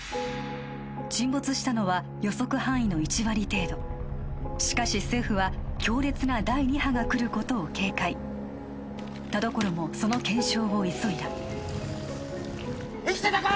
沈没したのは予測範囲の１割程度しかし政府は強烈な第二波がくることを警戒田所もその検証を急いだ生きてたか？